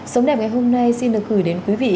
sống đẹp ngày hôm nay xin được gửi đến quý vị